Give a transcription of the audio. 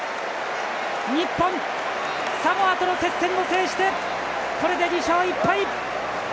日本、サモアとの接戦を制してこれで２勝１敗！